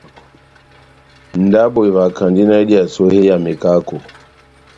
Ndabo evahakandi náh ediyase ó hé ya mekako.